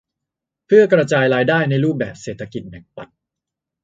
เพื่อกระจายรายได้ในรูปแบบเศรษฐกิจแบ่งปัน